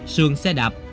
xương xe đạp